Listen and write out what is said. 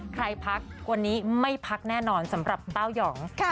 พักวันนี้ไม่พักแน่นอนสำหรับเต้ายอง